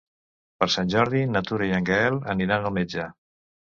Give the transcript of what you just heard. Per Sant Jordi na Tura i en Gaël aniran al metge.